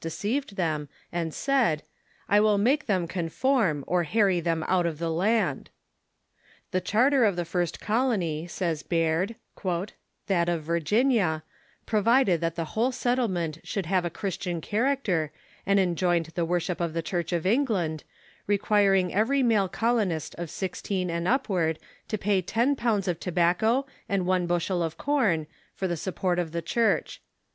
deceived them, and said :" I will make them conform, or harry them out of the land." "The charter of the first col ony,"*says Baird, " that of Virginia, provided that the whole settlement should have a Christian character, and enjoined the worship of the Church of England, requiring every male colo nist of sixteen and upward to pay ten pounds of tobacco and one bushel of corn for the support of the Church.